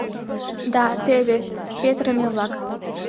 — Да тӧвӧ, петырыме-влак.